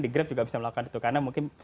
di grab juga bisa melakukan itu karena mungkin